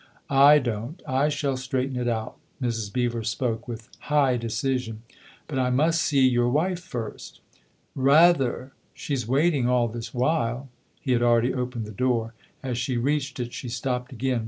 " "I don't I shall straighten it out." Mrs. Beever spoke with high decision. "But I must see your wife first." " Rather ! she's waiting all this while." He had already opened the door. As she reached it she stopped again.